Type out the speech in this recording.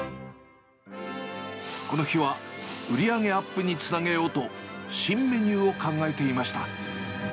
この日は売り上げアップにつなげようと、新メニューを考えていました。